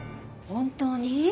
本当に？